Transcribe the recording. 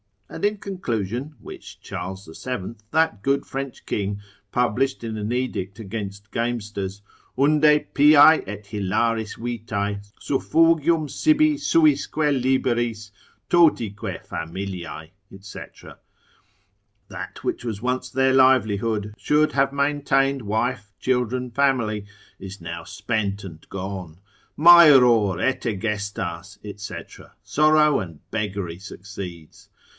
And in conclusion (which Charles the Seventh, that good French king, published in an edict against gamesters) unde piae et hilaris vitae, suffugium sibi suisque liberis, totique familiae, &c. That which was once their livelihood, should have maintained wife, children, family, is now spent and gone; maeror et egestas, &c., sorrow and beggary succeeds.